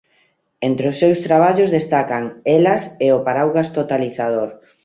Entre os seus traballos destacan" Elas e o paraugas totalizador.